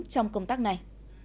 trong công tác này